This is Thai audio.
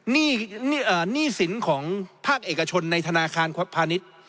หนี้สินของภาคเอกชนในธนาคารพาณิชย์